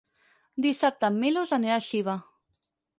Dissabte en Milos anirà a Xiva.